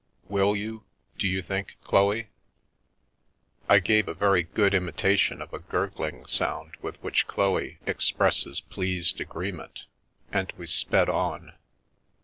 Will you, do you think, Chloe?" 150 The Rape of the Lock I gave a very good imitation of a gurgling sound with which Chloe expresses pleased agreement, and we sped on.